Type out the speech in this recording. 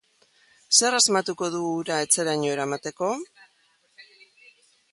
Zer asmatuko du ura etxeraino eramateko?